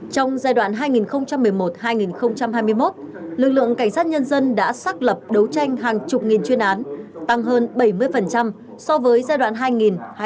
trong giai đoạn hai nghìn một mươi một hai nghìn hai mươi một lực lượng cảnh sát nhân dân đã xác lập đấu tranh hàng chục nghìn chuyên án tăng hơn bảy mươi so với giai đoạn hai nghìn một mươi một hai nghìn hai mươi